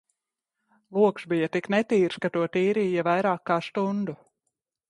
Logs bija tik netīrs, ka to tīrīja vairāk kā stundu